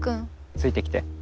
ついてきて。